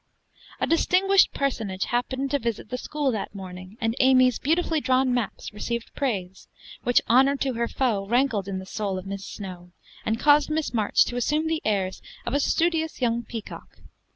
A distinguished personage happened to visit the school that morning, and Amy's beautifully drawn maps received praise; which honor to her foe rankled in the soul of Miss Snow, and caused Miss March to assume the airs of a studious young peacock.